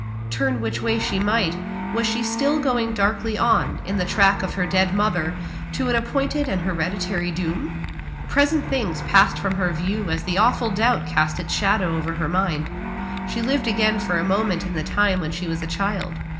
Turn which way she might was she still going darkly on, in the track of her dead mother, to an appointed and hereditary doom? Present things passed from her view as the awful doubt cast its shadow over her mind. She lived again for a moment in the time when she was a child.